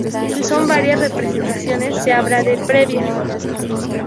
Si son varias representaciones, se habla de "previas".